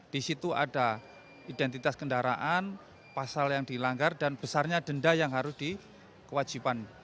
di situ ada identitas kendaraan pasal yang dilanggar dan besarnya denda yang harus dikewajiban